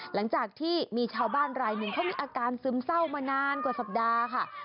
หลังจากที่มีชาวบ้านรายหนึ่งเขามีอาการซึมเศร้ามานานกว่าสัปดาห์ค่ะ